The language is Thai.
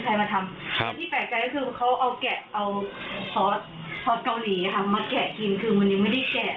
เขามาทำความเสียหาที่บ้านที่หน้าอะไรอย่างนี้